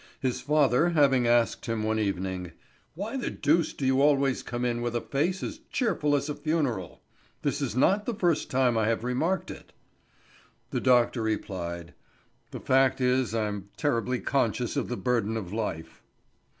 His father having asked him one evening: "Why the deuce do you always come in with a face as cheerful as a funeral? This is not the first time I have remarked it." The doctor replied: "The fact is I am terribly conscious of the burden of life."